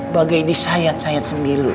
bagai disayat sayat sembil